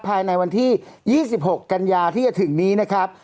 ภายในวันที่๒๖กันยาที่จะถึงนี้นะครับ